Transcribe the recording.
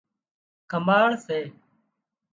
ڪماۯ سي